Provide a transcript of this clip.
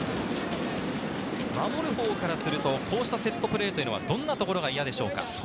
守るほうからすると、こうしたセットプレーは、どんなところが嫌でしょうか？